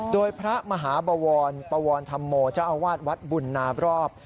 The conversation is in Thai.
โดยพระมหาบวรปวรธรรมโมเจ้าอาวาสวัดบุญนาบรอบ